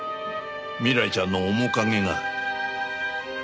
未来ちゃんの面影が。